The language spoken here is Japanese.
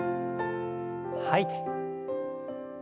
吐いて。